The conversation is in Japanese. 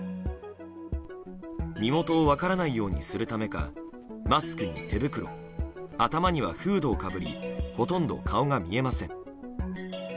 身元を分からないようにするためかマスクに手袋頭にはフードをかぶりほとんど顔が見えません。